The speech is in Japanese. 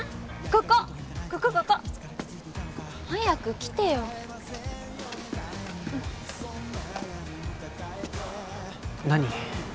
ここここここ早く来てよ何？